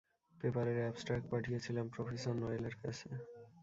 পেপারের অ্যাবস্ট্রাক্ট পাঠিয়েছিলাম প্রফেসর নোয়েলের কাছে।